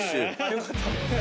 よかった。